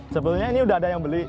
sebetulnya ini udah ada yang beli